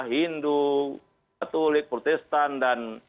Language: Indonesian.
hindu katolik protestan dan